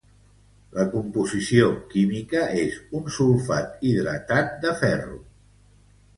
La composició química és un sulfat hidratat de ferro.